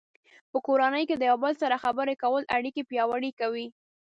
په کورنۍ کې د یو بل سره خبرې کول اړیکې پیاوړې کوي.